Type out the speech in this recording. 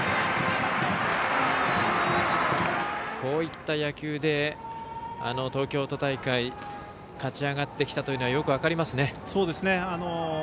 こういった野球で東京都大会勝ち上がってきたというのがよく分かりますね。